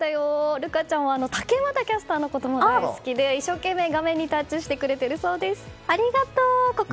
琉花ちゃんは竹俣キャスターのことも大好きで一生懸命、画面にタッチしてくれているそうです。